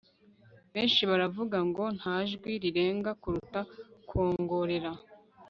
benshi baravuga ngo 'nta jwi rirenga kuruta kwongorera